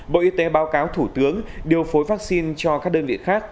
bộ y tế báo cáo thủ tướng điều phối vaccine cho các đơn vị khác